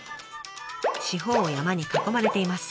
四方を山に囲まれています。